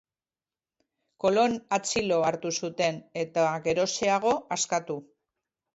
Kolon atxilo hartu zuten eta geroxeago askatu.